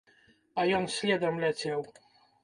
А ён следам ляцеў.